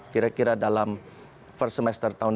kira kira dalam first semester tahun dua ribu